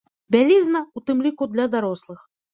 Бялізна, у тым ліку, для дарослых.